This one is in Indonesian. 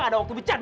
siapa yang becat